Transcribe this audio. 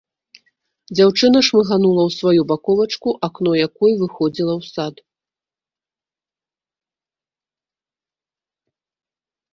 Дзяўчына шмыганула ў сваю баковачку, акно якой выходзіла ў сад.